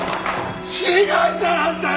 被害者なんだよ！